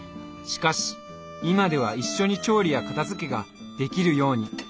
しかし今では一緒に調理や片づけができるように。